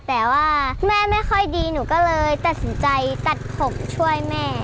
แต่ว่าแม่ไม่ค่อยดีหนูก็เลยตัดสินใจตัดผมช่วยแม่